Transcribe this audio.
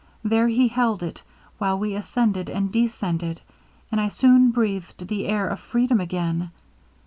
There he held it, while we ascended and descended; and I soon breathed the air of freedom again.